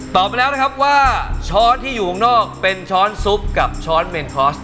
ไปแล้วนะครับว่าช้อนที่อยู่ข้างนอกเป็นช้อนซุปกับช้อนเมนคอส